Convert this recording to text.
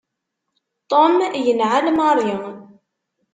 Tom yenɛel Mary.